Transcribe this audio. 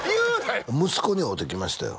息子に会うてきましたよ